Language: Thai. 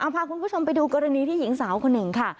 พาคุณผู้ชมไปดูกรณีที่หญิงสาวคนหนึ่งค่ะ